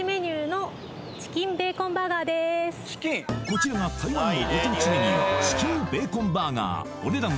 こちらが台湾のご当地メニューチキンベーコンバーガーお値段